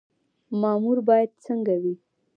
مامور باید څنګه وي؟